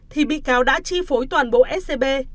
thì bị cáo đã chi phối toàn bộ scb